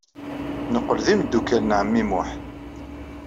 Neqqel d imeddukal n ɛemmi Muḥ.